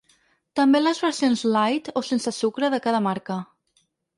També les versions ‘light’ o sense sucre de cada marca.